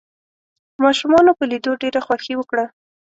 ماشومانو په ليدو ډېره خوښي وکړه.